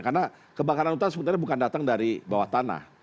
karena kebakaran hutan sebenarnya bukan datang dari bawah tanah